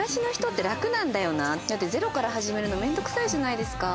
だってゼロから始めるの面倒くさいじゃないですか。